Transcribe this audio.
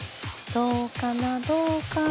どうかなどうかな？